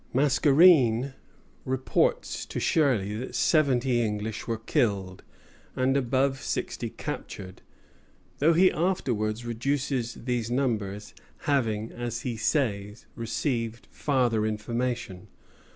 Mascarene reports to Shirley that seventy English were killed, and above sixty captured; though he afterwards reduces these numbers, having, as he says, received farther information.